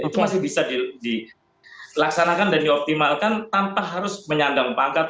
itu masih bisa dilaksanakan dan dioptimalkan tanpa harus menyandang pangkat